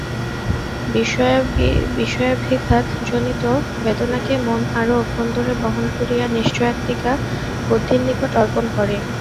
বিষয়াভিঘাত-জনিত বেদনাকে মন আরও অভ্যন্তরে বহন করিয়া নিশ্চয়াত্মিকা বুদ্ধির নিকট অর্পণ করে।